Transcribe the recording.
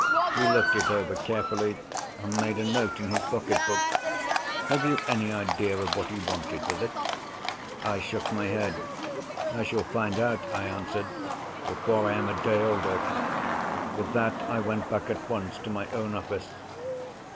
He looked it over carefully, and made a note in his pocket book. Have you any idea of what he wanted with it?" I shook my head. "I shall find out," I answered, "before I am a day older." With that I went back at once to my own office.